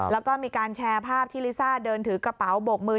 แล้วก็มีการแชร์ภาพที่ลิซ่าเดินถือกระเป๋าบกมือ